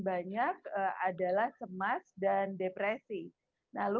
banyak adalah cemas dan depresi lalu